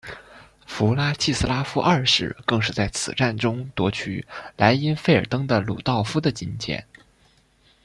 弗拉季斯拉夫二世更在此战中夺去莱茵费尔登的鲁道夫的金剑。